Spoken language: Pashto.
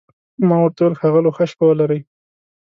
ما ورته وویل: ښاغلو، ښه شپه ولرئ.